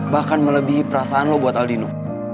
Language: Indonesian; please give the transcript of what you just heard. bahkan melebihi perasaan lo buat aldino